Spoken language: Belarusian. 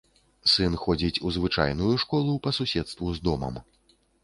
Сын ходзіць у звычайную школу па суседству з домам.